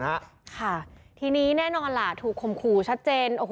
ค่ะทีนี้แน่นอนล่ะถูกคมขู่ชัดเจนโอ้โห